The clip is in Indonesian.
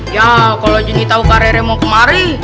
ya kalau juni tahu kak rere mau kemari